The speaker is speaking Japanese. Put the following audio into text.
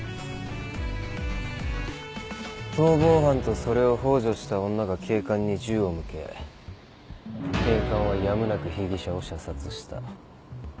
逃亡犯とそれをほう助した女が警官に銃を向け警官はやむなく被疑者を射殺した。